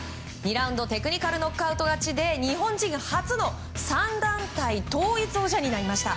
２ラウンドテクニカルノックアウト勝ちで日本人初の３団体統一王者になりました。